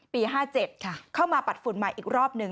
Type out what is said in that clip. ๕๗เข้ามาปัดฝุ่นใหม่อีกรอบหนึ่ง